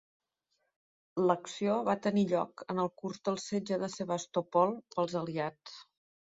L'acció va tenir lloc en el curs del Setge de Sebastòpol pels aliats.